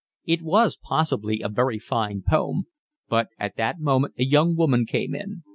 It was possibly a very fine poem, but at that moment a young woman came in.